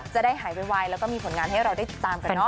จะได้หายไวแล้วก็มีผลงานให้เราได้ติดตามกันเนอ